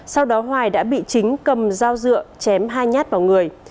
sau đó hoài đã bị chính cầm dao dựa chém hai nhát vào người